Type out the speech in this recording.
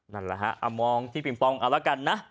นั่นแหละฮะเอามองที่ปิงปองเอาละกันนะ